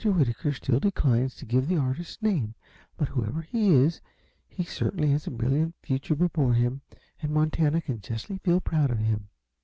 Whitaker still declines to give the artist's name, but whoever he is, he certainly has a brilliant future before him, and Montana can justly feel proud of him.